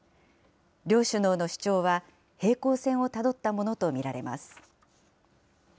両首脳の主張は平行線をたどったものと見られます。